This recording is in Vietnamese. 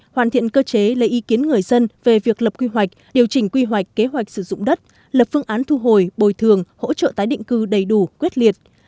hoàn thiện cơ chế lấy ý kiến người dân về việc lập quy hoạch điều chỉnh quy hoạch kế hoạch sử dụng đất lập phương án thu hồi bồi thường hỗ trợ tái định cư đầy đủ quyết liệt